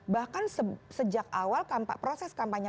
bahkan sejak awal proses kampanye